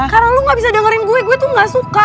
karena lu gak bisa dengerin gue gue tuh gak suka